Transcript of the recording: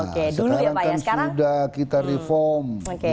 oke dulu ya pak ya sekarang kan sudah kita reform